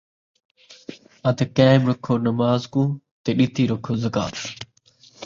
اَتے قائم رَکھو نماز کوں، تے ݙِتی رکھو زکوٰۃ!